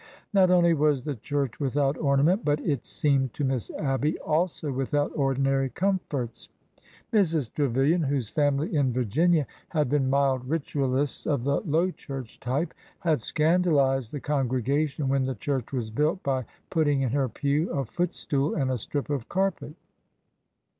Not only was the church without ornament, but tt seemed to Miss Abby also without ordinary comforts. Mrs. Trevilian, whose family in Virginia had been mild 38 ORDER NO. 11 ritualists of the Low Church type, had scandalized the congregation when the church was built by putting in her pew a footstool and a strip of carpet.